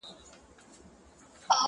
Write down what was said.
o پر اوښ سپور، سپي وخوړ٫